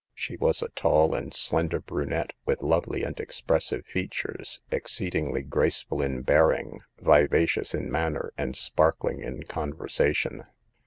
She was a tall and slender brunette, with lovely and expressive features, exceedingly graceful in bearing, vivacious in manner, and sparkling in conversation.